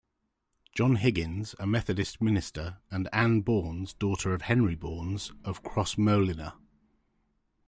John Higgins, a Methodist minister, and Anne Bournes, daughter of Henry Bournes of Crossmolina.